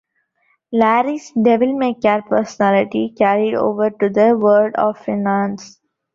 Larry's devil-may-care personality carried over to the world of finance.